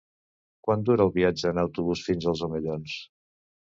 Quant dura el viatge en autobús fins als Omellons?